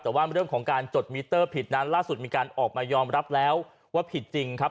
แต่ว่าเรื่องของการจดมิเตอร์ผิดนั้นล่าสุดมีการออกมายอมรับแล้วว่าผิดจริงครับ